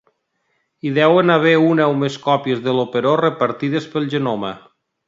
Hi deuen haver una o més còpies de l'operó repartides pel genoma.